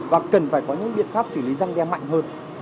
và cần phải có những biện pháp xử lý răng đe mạnh hơn